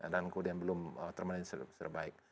dan kemudian belum termenai sebaik